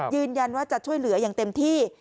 ยืนยันว่าจะช่วยเหลืออย่างเต็มที่